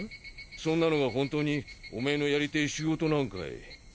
そんなのがほんとにおめぇのやりてぇ仕事なんかい？